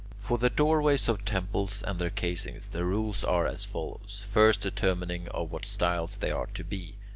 For the doorways of temples and their casings the rules are as follows, first determining of what style they are to be.